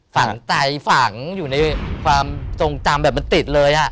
ฝังใจฝังอยู่ในความทรงจำแบบมันติดเลย